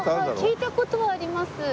聞いた事はあります。